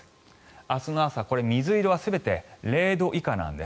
明日の朝、これ水色は全て０度以下なんです。